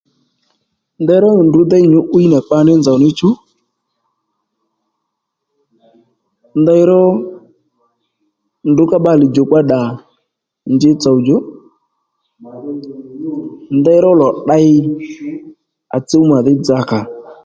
Ndeyró ndrǔ déy nyǔ'wíy nà kpaní nzòw níchú ndeyró ndrǔ ká bbalè djùkpa ddà njitsò djò ndeyró lò tdey à tsǔw màdhí dzakǎ